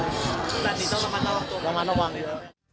แบบนี้ต้องระมัดระวังตัวระมัดระวังดีครับ